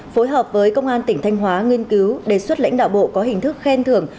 phối hợp với công an tỉnh thanh hóa nghiên cứu đề xuất lãnh đạo bộ có hình thức khen thưởng